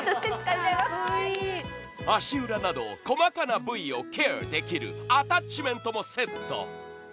足裏など細かな部分をケアできるアタッチメントもセット。